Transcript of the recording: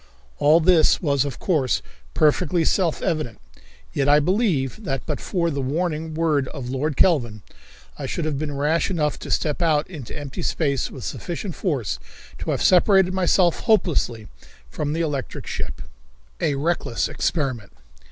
All this was, of course, perfectly self evident, yet I believe that but for the warning word of Lord Kelvin, I should have been rash enough to step out into empty space with sufficient force to have separated myself hopelessly from the electrical ship. A Reckless Experiment.